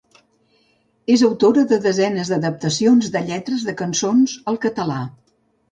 És autora de desenes d'adaptacions de lletres de cançons al català.